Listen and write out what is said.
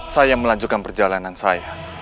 saya melanjutkan perjalanan saya